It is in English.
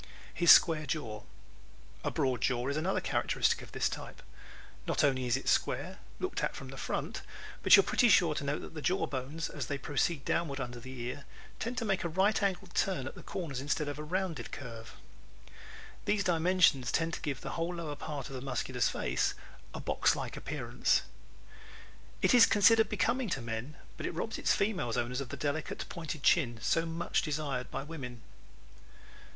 His Square Jaw ¶ A broad jaw is another characteristic of this type. Not only is it square, looked at from the front, but you are pretty sure to note that the jaw bones, as they proceed downward under the ear, tend to make a right angled turn at the corners instead of a rounded curve. These dimensions tend to give the whole lower part of the Muscular's face a box like appearance. It is considered becoming to men but robs its female owners of the delicate, pointed chin so much desired by women.